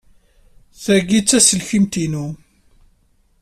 Tagi d taselkimt-inu.